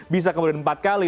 bisa kemudian empat kali